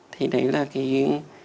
thì đấy là cái